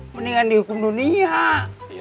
mendingan dihukum dunia